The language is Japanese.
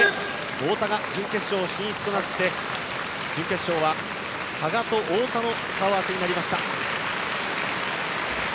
太田が準決勝進出となって準決勝は羽賀と太田の顔合わせになりました。